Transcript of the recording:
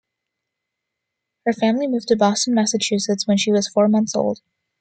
Her family moved to Boston, Massachusetts, when she was four months old.